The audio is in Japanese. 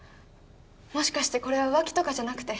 もしかしてこれは浮気とかじゃなくて